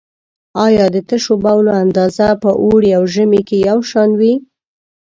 آیا د تشو بولو اندازه په اوړي او ژمي کې یو شان وي؟